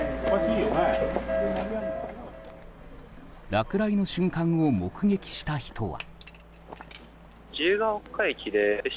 落雷の瞬間を目撃した人は。